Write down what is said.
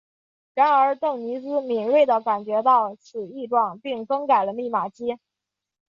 然而邓尼兹敏锐地感觉到此异状并更改了密码机。